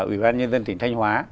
ở ủy ban nhân dân tỉnh thanh hóa